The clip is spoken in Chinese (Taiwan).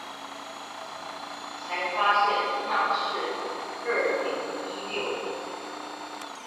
才發現那是二零一六的